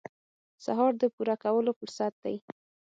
سهار د پوره کولو فرصت دی.